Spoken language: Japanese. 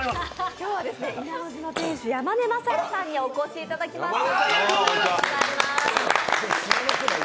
今日はいなの路の店主、山根正也さんにお越しいただきました。